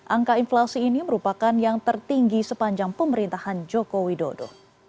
angka inflasi ini merupakan yang tertinggi sepanjang pemerintahan joko widodo